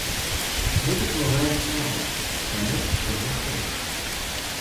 Мы дапамагаем слабаму, таму, каго шкада.